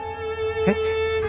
えっ？